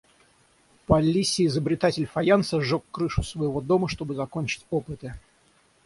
Паллиси, изобретатель фаянса, сжег крышу своего дома, чтобы закончить опыты.